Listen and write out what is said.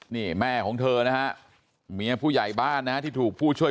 นี่แม่ของเธอนะฮะเมียผู้ใหญ่บ้านนะฮะที่ถูกผู้ช่วย